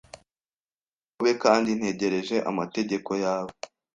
indogobe, kandi ntegereje amategeko yawe. ”